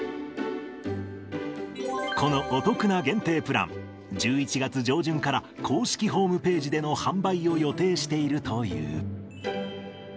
このお得な限定プラン、１１月上旬から公式ホームページでの販売を予定しているという。